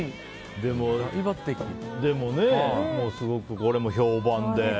でも、すごくこれも評判で。